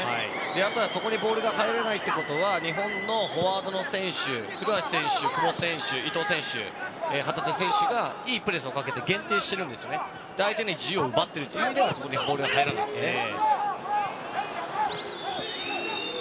あとはそこでボールが入れないということは日本のフォワードの選手古橋選手、久保選手伊東選手、旗手選手がいいプレスをかけて限定していて相手の自由を奪っているのでそこにボールが入らないですね。